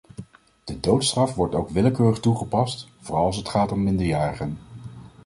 De doodstraf wordt ook willekeurig toegepast, vooral als het gaat om minderjarigen.